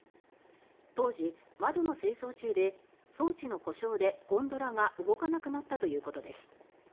当時、窓の清掃中で装置の故障でゴンドラが動かなくなったということです。